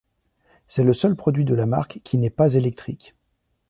C'est le seul produit de la marque qui n'est pas électrique.